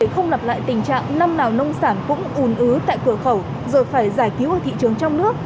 không lặp lại tình trạng năm nào nông sản cũng ùn ứ tại cửa khẩu rồi phải giải cứu ở thị trường trong nước